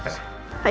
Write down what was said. はい。